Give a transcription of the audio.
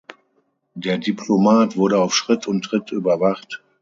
Der Diplomat wurde auf Schritt und Tritt überwacht.